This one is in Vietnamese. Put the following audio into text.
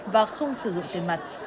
và không sử dụng tiền mặt